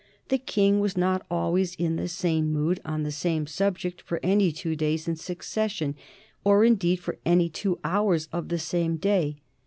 The King was not always in the same mood on the same subject for any two days in succession, or indeed for any two hours of the same day.